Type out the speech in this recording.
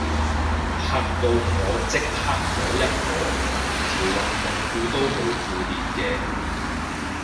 嚇到我即刻摸一摸，條運動褲都冇褲鏈嘅